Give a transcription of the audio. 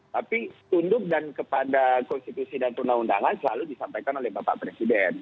tapi tunduk dan kepada konstitusi dan tuna undangan selalu disampaikan oleh bapak presiden